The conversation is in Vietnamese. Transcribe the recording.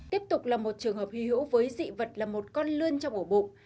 tiếp tục là một trường hợp hy hữu với dị vật là một con lươn trong ổ bụng